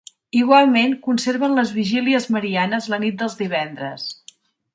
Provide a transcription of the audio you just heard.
Igualment, conserven les vigílies marianes la nit dels divendres.